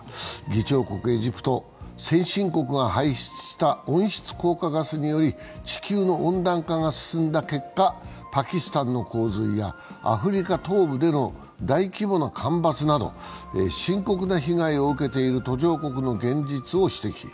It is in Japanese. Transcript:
議長国エジプト、先進国が排出した温室効果ガスにより地球の温暖化が進んだ結果、パキスタンの洪水やアフリカ東部での大規模な干ばつなど深刻な被害を受けている途上国の現実を指摘。